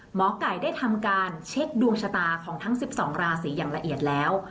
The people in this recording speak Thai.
หมอไก่ได้ทำการเช็คดวงชะตาของทั้ง๑๒ราศีอย่างละเอียดแล้ว